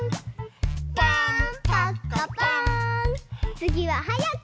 つぎははやく！